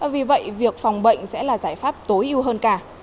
vì vậy việc phòng bệnh sẽ là giải pháp tối ưu hơn cả